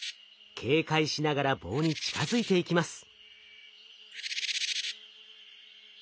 警戒しながら棒に近づいていきます。